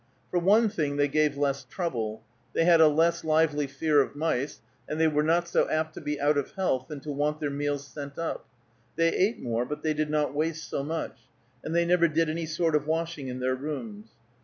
For one thing they gave less trouble: they had a less lively fear of mice, and they were not so apt to be out of health and to want their meals sent up; they ate more, but they did not waste so much, and they never did any sort of washing in their rooms.